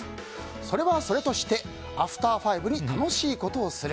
それはそれとして、アフター５に楽しいことをする。